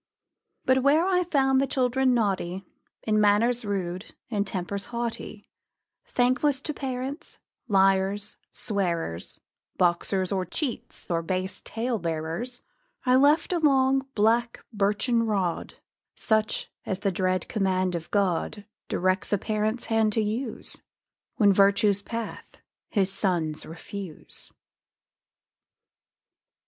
But where I found the children naughty, In manners rude, in temper haughty, Thankless to parents, liars, swearers, Boxers, or cheats, or base tale bearers, I left a long, black, birchen rod, Such as the dread command of God Directs a Parent's hand to use When virtue's path his sons refuse.